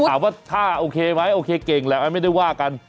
ถามว่าถ้าโอเคไหมโอเคเก่งแหละไม่ได้ว่ากัน